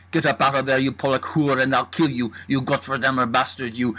Get up out o' there you Polak hoor and I'll kill you, you Gottverdummer bastard you!